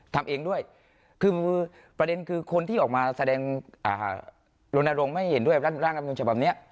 ทำเองด้วยคือประเด็นคือคนที่ออกมาแสดงลนลงไม่เห็นด้วยร่างอำนูญฉบับนี้